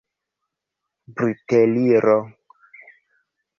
briteliro